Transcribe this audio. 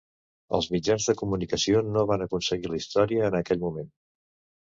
Els mitjans de comunicació no van aconseguir la història en aquell moment.